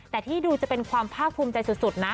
แต่ที่ดูจะเป็นความภาคภูมิใจสุดนะ